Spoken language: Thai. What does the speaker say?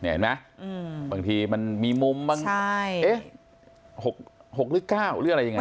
เห็นไหมบางทีมันมีมุมบางหรือ๙หรืออะไรยังไง